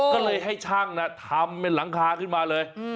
ก็เลยให้ช่างทำเป็นหลังคาขึ้นมาเลย